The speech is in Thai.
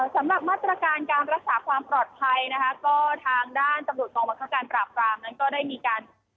สำหรับมาตรการการรักษาความปลอดภัยนะคะก็ทางด้านตำรวจกองบังคับการปราบปรามนั้นก็ได้มีการ